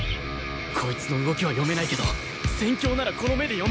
こいつの動きは読めないけど戦況ならこの目で読める